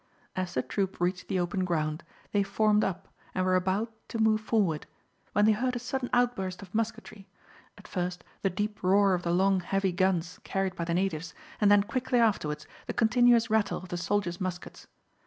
As the troop reached the open ground they formed up and were about to move forward when they heard a sudden outburst of musketry at first the deep roar of the long, heavy guns carried by the natives, and then quickly afterwards the continuous rattle of the soldiers' muskets.